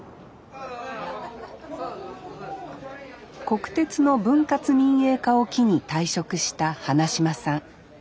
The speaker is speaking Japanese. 国鉄の分割民営化を機に退職した花島さん。